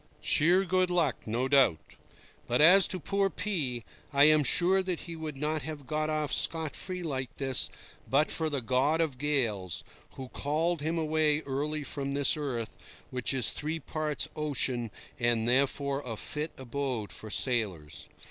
Sheer good luck, no doubt. But as to poor P—, I am sure that he would not have got off scot free like this but for the god of gales, who called him away early from this earth, which is three parts ocean, and therefore a fit abode for sailors.